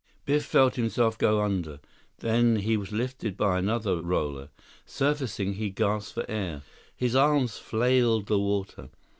Biff felt himself go under. Then he was lifted by another roller. Surfacing, he gasped for air. His arms flailed the water.